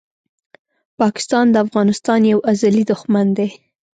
پاکستان د افغانستان یو ازلي دښمن دی!